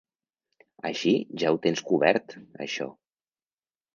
Així ja ho tens cobert, això.